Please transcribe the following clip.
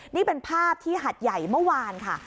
นี่เป็นภาพที่หัดใหญ่เมื่อวานค่ะ